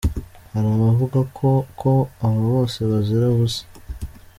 Hari abavuga ko ko aba bose bazira ubusa.